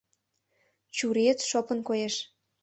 — Чуриет шопын коеш.